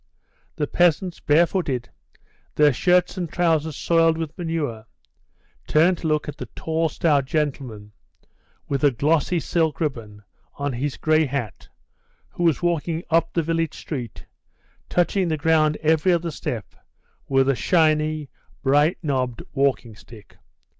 The peasants, barefooted, their shirts and trousers soiled with manure, turned to look at the tall, stout gentleman with the glossy silk ribbon on his grey hat who was walking up the village street, touching the ground every other step with a shiny, bright knobbed walking stick.